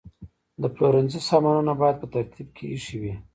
د پلورنځي سامانونه باید په ترتیب کې ایښي وي.